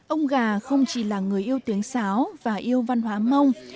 ông gà không chỉ là người yêu tiếng sáo và yêu văn hóa mông